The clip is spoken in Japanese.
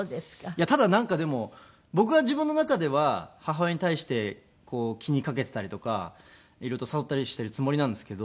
いやただなんかでも僕は自分の中では母親に対して気に掛けていたりとか色々と誘ったりしているつもりなんですけど。